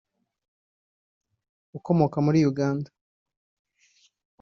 ukomoka muri Uganda